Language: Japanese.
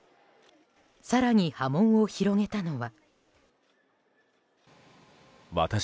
更に波紋を広げたのは。